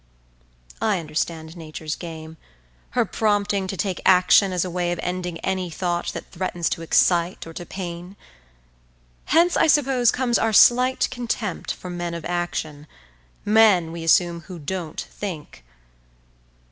I understand Nature's game—her prompting to take action as a way of ending any thought that threatens to excite or to pain. Hence, I suppose, comes our slight contempt for men of action—men, we assume, who don't think.